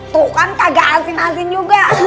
tuh kan kagak asin asin juga